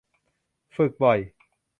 ฝึกบ่อย